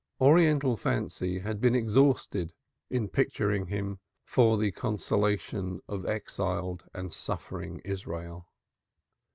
Oriental fancy had been exhausted in picturing him for the consolation of exiled and suffering Israel.